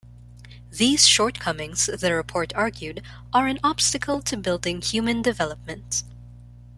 These shortcomings, the Report argued, are an obstacle to building human development.